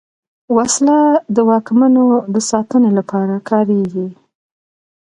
وسله د واکمنو د ساتنې لپاره کارېږي